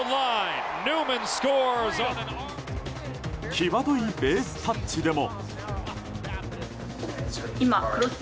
際どいベースタッチでも。